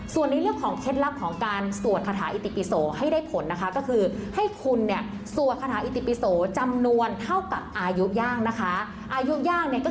ส่วนในเรื่องของเคล็ดลับของการสวดคาถาอิติปิโสให้ได้ผลนะคะก็คือให้คุณเนี่ยสวดคาถาอิติปิโสจำนวนเท่ากับอายุย่างนะคะอายุย่างเนี่ยก็